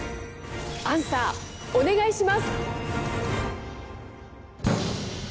アンサーお願いします！